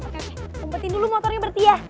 kumpetin dulu motornya berarti ya